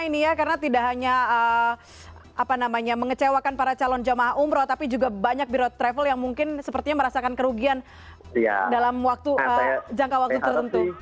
ini ya karena tidak hanya mengecewakan para calon jemaah umroh tapi juga banyak biro travel yang mungkin sepertinya merasakan kerugian dalam jangka waktu tertentu